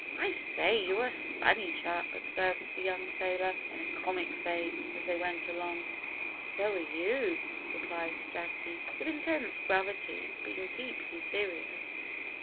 "I say, you're a funny chap," observed the young sailor, in a comic vein, as they went along. "So are you," replied Jacky, with intense gravity, being deeply serious.